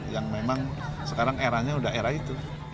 yang memang sekarang eranya sudah era itu